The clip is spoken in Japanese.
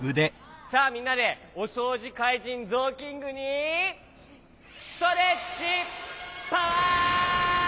さあみんなでおそうじかいじんゾーキングにストレッチパワー！